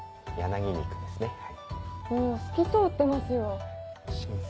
もう透き通ってますよ。